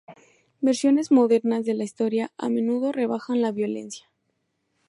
Versiones modernas de la historia a menudo rebajan la violencia.